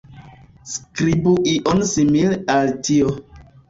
Skribu ion simile al tio